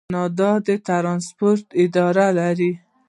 کاناډا د ټرانسپورټ اداره لري.